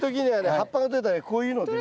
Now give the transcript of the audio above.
葉っぱがとれたらねこういうのでね